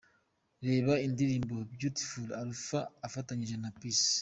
Reba indirimbo ’Beautifull" Alpha afatanyije na Peace.